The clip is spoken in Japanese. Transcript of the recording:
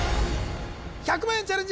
１００万円チャレンジ！